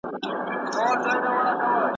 که له مرګه ځان ژغورې کوهي ته راسه `